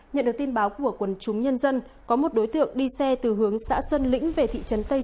nhận được tin báo của quần chúng nhân dân có một đối tượng đi xe từ hướng xã sơn lĩnh